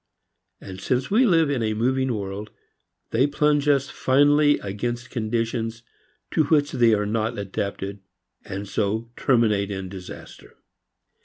And since we live in a moving world, they plunge us finally against conditions to which they are not adapted and so terminate in disaster.